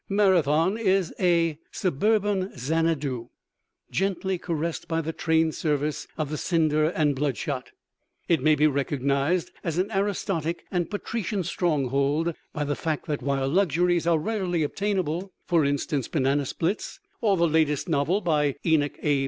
Marathon is a suburban Xanadu gently caressed by the train service of the Cinder and Bloodshot. It may be recognized as an aristocratic and patrician stronghold by the fact that while luxuries are readily obtainable (for instance, banana splits, or the latest novel by Enoch A.